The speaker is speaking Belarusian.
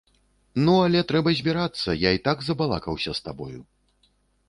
Ну, але трэба збірацца, я й так забалакаўся з табою.